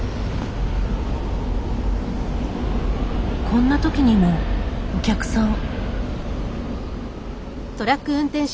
こんな時にもお客さん。